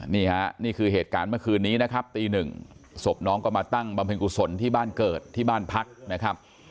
นี่ค่ะนี่คือเหตุการณ์เมื่อคืนนี้นะครับตีหนึ่งศพน้องก็มาตั้งบำเพ็ญกุศลที่บ้านเกิดที่บ้านพักนะครับ